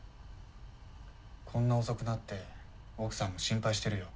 こんな遅くなって奥さんも心配してるよ。